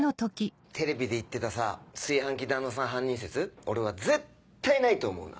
テレビで言ってたさぁ炊飯器旦那さん犯人説俺は絶対ないと思うな。